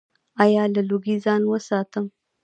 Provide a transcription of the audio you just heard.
ایا له لوګي ځان وساتم؟